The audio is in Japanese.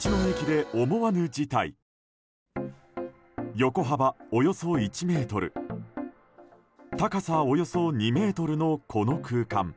横幅、およそ１ｍ高さ、およそ２ｍのこの空間。